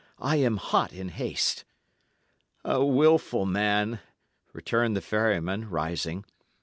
I am hot in haste." "A wilful man!" returned the ferryman, rising.